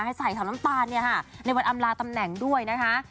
ให้ใส่สาวน้ำตาลเนี่ยฮะในวันอำราตำแหน่งด้วยนะคะ